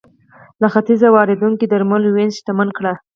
له ختیځه واردېدونکو درملو وینز شتمن کړ